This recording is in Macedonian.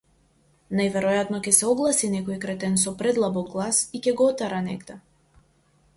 Најверојатно ќе се огласи некој кретен со предлабок глас и ќе го отера негде.